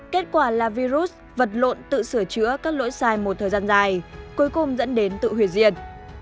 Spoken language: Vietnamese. kết quả là virus vật lộn tự sửa chữa các lỗi sai một thời gian dài cuối cùng dẫn đến tự hủy diệt